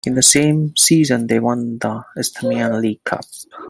In the same season they won the Isthmian League Cup.